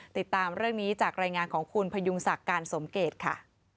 ติดตามเรื่องนี้จากรายงานของคุณพยุงศักดิ์การสมเกตค่ะ